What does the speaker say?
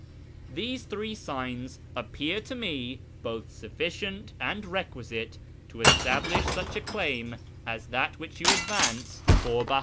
These three signs appear to me both sufficient and requisite to establish such a claim as that which you advance for Beha."